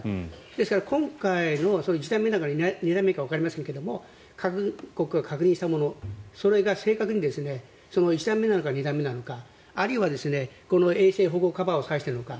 ですから今回の１段目か２段目かわかりませんけども韓国が確認したものそれが正確に１段目なのか２段目なのかあるいは衛星保護カバーを指しているのか。